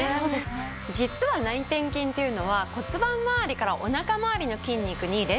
実は内転筋っていうのは骨盤まわりからお腹まわりの筋肉に連動しているんですよ。